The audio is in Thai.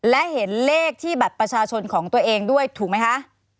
และเห็นเลขที่บัตรประชาชนของตัวเองด้วยถูกไหมคะ